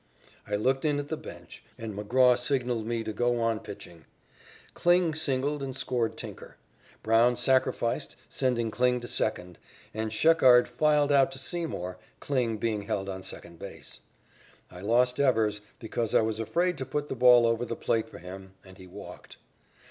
I looked in at the bench, and McGraw signalled me to go on pitching. Kling singled and scored Tinker. Brown sacrificed, sending Kling to second, and Sheckard flied out to Seymour, Kling being held on second base. I lost Evers, because I was afraid to put the ball over the plate for him, and he walked.